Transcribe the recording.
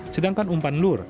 sedangkan umpan lur